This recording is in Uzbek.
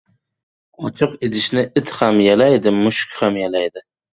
• Ochiq idishni it ham yalaydi, mushuk ham.